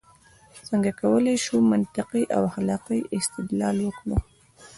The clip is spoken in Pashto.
څنګه کولای شو منطقي او اخلاقي استدلال وکړو؟